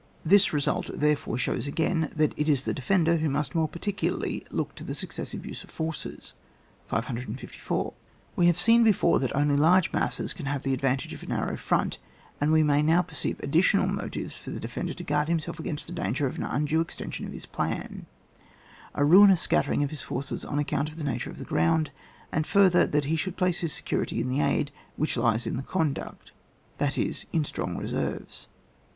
This result therefore shows again that it is the defender who must more particularly look to the successive use of forces. 554. We have seen before that only large masses can have the advantage of a narrow front, and we may now perceive additional motives for the de fender to guard himself against the danger of an undue extension ofhisplan^^ a ruinous scattering of his forces on account of the nature of the ground, and further that he shotdd place his security in the aid which lies in the conduct, that is, in strong reserves.